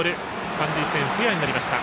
三塁線、フェアになりました。